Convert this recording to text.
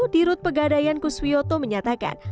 dirut pegadayan kuswioto menyatakan